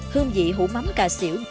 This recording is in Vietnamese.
hương vị hủ mắm cà xỉu